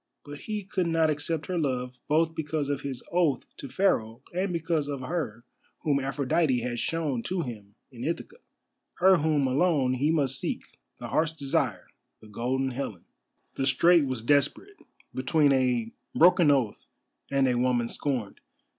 But he could not accept her love, both because of his oath to Pharaoh and because of her whom Aphrodite had shown to him in Ithaca, her whom alone he must seek, the Heart's Desire, the Golden Helen. The strait was desperate, between a broken oath and a woman scorned.